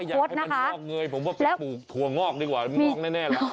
อยากให้มันงอกเงยผมว่าไปปลูกถั่วงอกดีกว่างอกแน่แล้ว